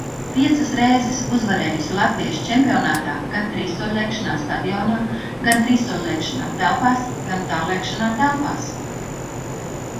Piecas reizes uzvarējusi Latvijas čempionātā gan trīssoļlēkšanā stadionā, gan trīssoļlēkšanā telpās, gan tāllēkšanā telpās.